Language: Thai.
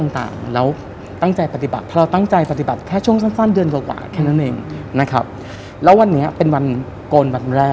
ผมกลับมาคิดอีกทีงึงว่าโอเค